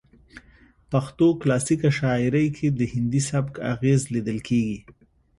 پښتو کلاسیکه شاعرۍ کې د هندي سبک اغیز لیدل کیږي